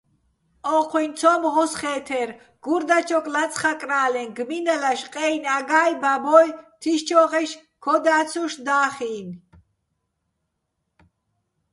ოჴუჲნი ცომ ღოსხე́თერ, გურ დაჩოკ ლაწხაკრა́ლე, გმინალაშ, ყეჲნი აგა́ჲ, ბაბო́ჲ, თიშჩო́ღეშ ქოდა́ცუშ და́ხინი̆.